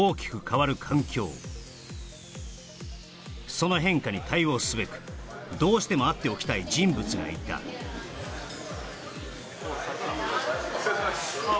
その変化に対応すべくどうしても会っておきたい人物がいたお疲れさまですああ